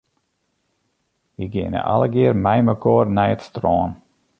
Wy geane allegear meimekoar nei it strân.